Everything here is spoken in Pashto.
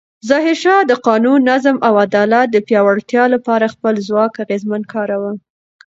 ظاهرشاه د قانون، نظم او عدالت د پیاوړتیا لپاره خپل ځواک اغېزمن کاراوه.